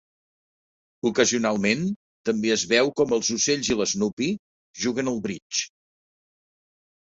Ocasionalment, també es veu com els ocells i l'Snoopy juguen al bridge.